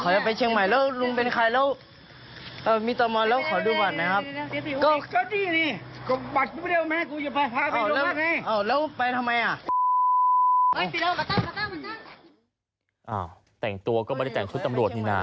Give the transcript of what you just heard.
แต่งตัวก็ไม่ได้แต่งชุดตำรวจนี่นะ